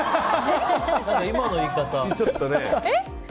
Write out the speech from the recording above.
今の言い方はちょっと。